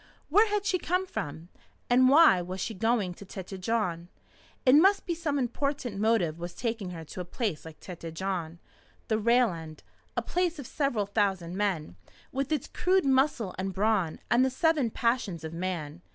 Where had she come from? And why was she going to Tête Jaune? It must be some important motive was taking her to a place like Tête Jaune, the rail end, a place of several thousand men, with its crude muscle and brawn and the seven passions of man.